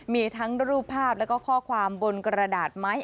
มีทั้งรูปภาพแล้วก็ข้อความบนกระดาษไม้